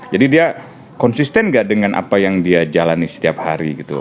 jadi dia konsisten gak dengan apa yang dia jalani setiap hari gitu